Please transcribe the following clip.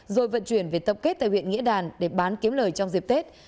rồi vận chuyển về tập kết tại huyện nghĩa đàn để bán kiếm lời trong dịp tết